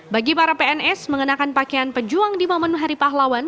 bagi para pns mengenakan pakaian pejuang di momen hari pahlawan